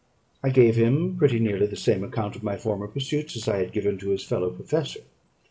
I gave him pretty nearly the same account of my former pursuits as I had given to his fellow professor.